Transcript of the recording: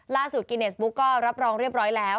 กิเนสบุ๊กก็รับรองเรียบร้อยแล้ว